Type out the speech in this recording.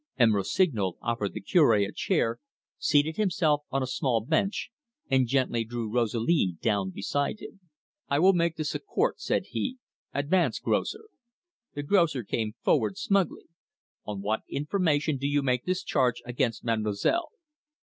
M. Rossignol offered the Cure a chair, seated himself on a small bench, and gently drew Rosalie down beside him. "I will make this a court," said he. "Advance, grocer." The grocer came forward smugly. "On what information do you make this charge against mademoiselle?"